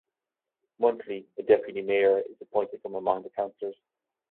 Monthly, a deputy mayor is appointed from among the councillors.